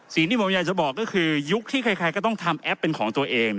สิ่งที่ผมอยากจะบอกก็คือยุคที่ใครก็ต้องทำแอปเป็นของตัวเอง